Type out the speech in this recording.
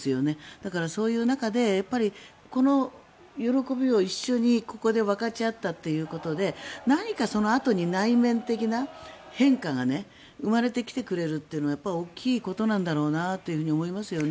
だからそういう中でやっぱりこの喜びを一緒にここで分かち合ったということで何かそのあとに内面的な変化が生まれてきてくれるというのはやっぱり大きいことなんだろうなと思いますよね。